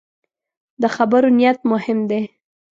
د خبرو نیت مهم دی